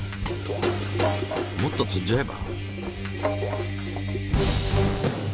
もっと積んじゃえば？